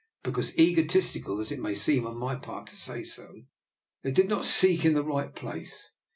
Because, egotistical as it may seem on my part to say so, they did not seek in the right place.